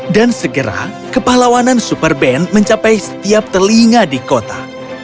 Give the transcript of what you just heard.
dan segera kepahlawanan super ben mencapai setiap telinga di kota